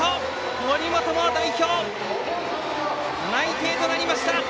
森本も代表内定となりました。